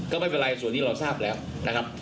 ก็ไม่เป็นไรส่วนนี้เราทราบแล้วนะครับ